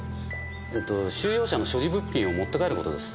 えっと収容者の所持物品を持って帰ることです。